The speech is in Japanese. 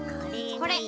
これ！